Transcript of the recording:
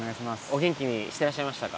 お元気にしてらっしゃいましたか？